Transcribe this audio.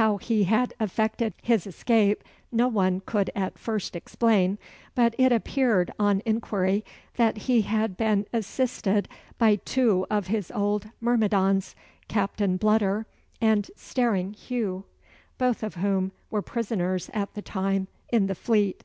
How he had effected his escape no one could at first explain; but it appeared, on inquiry, that he had been assisted by two of his old myrmidons, Captain Bludder and Staring Hugh, both of whom were prisoners at the time in the Fleet.